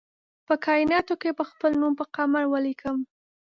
په کائیناتو کې به خپل نوم پر قمر ولیکم